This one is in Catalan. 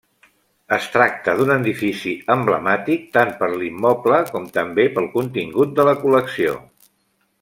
Es tracta d'un edifici emblemàtic tant per l'immoble com també pel contingut de la col·lecció.